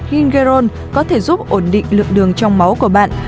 hingerone có thể giúp ổn định lượng đường trong máu của bạn